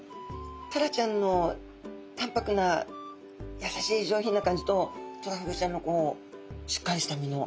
タラちゃんのたんぱくなやさしい上品な感じとトラフグちゃんのしっかりした身の。